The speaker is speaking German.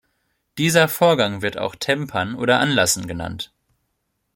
Dieser Vorgang wird auch Tempern oder Anlassen genannt.